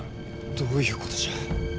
どういうことじゃ？